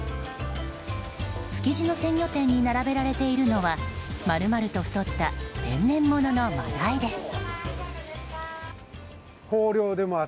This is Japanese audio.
築地の鮮魚店に並べられているのは丸々と太った天然物のマダイです。